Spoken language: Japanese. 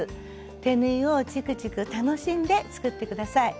手縫いをちくちく楽しんで作って下さい。